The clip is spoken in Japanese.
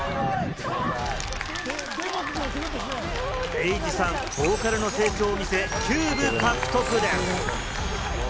エイジさん、ボーカルの成長を見せ、キューブ獲得です。